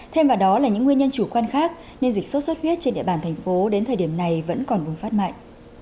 thêm vào đó là những nguyên nhân chủ quan khác nên dịch sốt xuất huyết trên địa bàn thành phố đến thời điểm này vẫn còn bùng phát mạnh